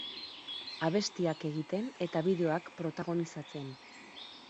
Abestiak egiten eta bideoak protagonizatzen.